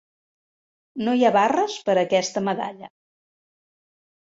No hi ha barres per a aquesta medalla.